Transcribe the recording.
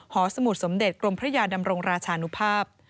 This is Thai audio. หสมุทรสมเด็จกรมพระยาดำรงราชานุภาพ